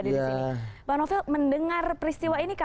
jika mbak novel di mana kita bisa mendengar berita ini